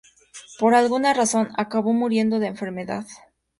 Por alguna razón, acabó muriendo de enfermedad.